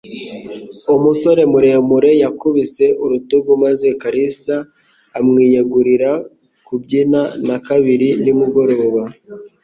Umusore muremure yakubise urutugu maze Kalisa amwiyegurira kubyina rya kabiri nimugoroba.